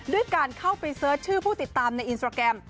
ด้วยการเข้าไปเสิร์ชชื่อผู้ติดตามในอินสตราแกรม